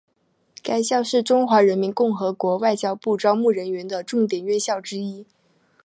该校是中华人民共和国外交部招募人员的重点院校之一。